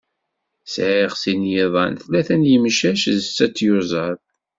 Sεiɣ sin yiḍan, tlata n yimcac d setta tyuzaḍ.